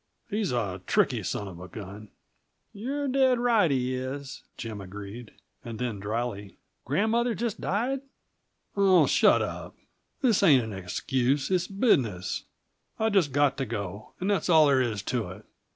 He's a tricky son of a gun." "You're dead right; he is," Jim agreed. And then, dryly: "Grandmother just died?" "Oh, shut up. This ain't an excuse it's business. I've just got to go, and that's all there is to it.